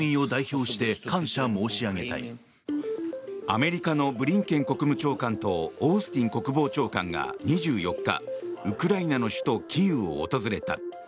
アメリカのブリンケン国務長官とオースティン国防長官が２４日ウクライナの首都キーウを訪れた。